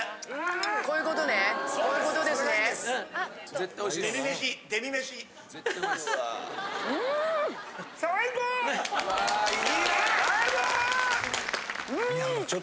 うん！